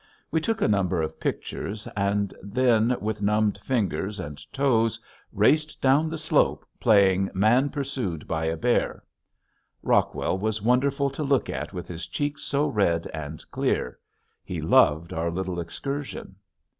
We took a number of pictures and then with numbed fingers and toes raced down the slope playing man pursued by a bear. Rockwell was wonderful to look at with his cheeks so red and clear. He loved our little excursion.